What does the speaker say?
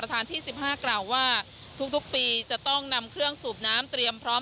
ประทานที่สิบห้าคราวว่าทุกทุกปีจะต้องนำเครื่องสูบน้ำเตรียมพร้อม